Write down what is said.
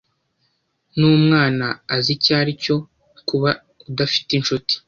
N'umwana azi icyo ari cyo kuba udafite inshuti.